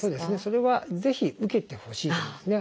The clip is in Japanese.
それはぜひ受けてほしいと思いますね。